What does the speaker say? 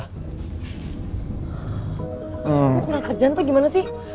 aku kurang kerjaan tuh gimana sih